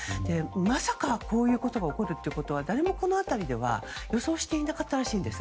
まさか、こういうことが起こるということは誰もこの辺りでは予想していなかったらしいんです。